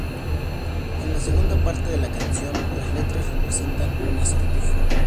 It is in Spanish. En la segunda parte de la canción, las letras representan un acertijo.